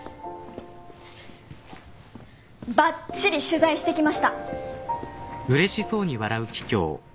ばっちり取材してきました！